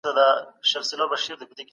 هغه د خپل هېواد استازيتوب کړی دی.